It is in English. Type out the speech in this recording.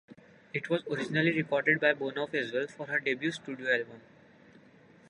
It was originally recorded by Bonoff as well for her debut studio album.